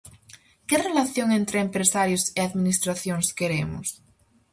Que relación entre empresarios e administracións queremos?